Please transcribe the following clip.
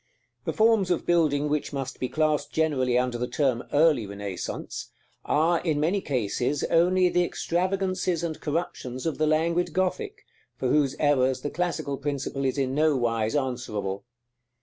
The forms of building which must be classed generally under the term early Renaissance are, in many cases, only the extravagances and corruptions of the languid Gothic, for whose errors the classical principle is in no wise answerable.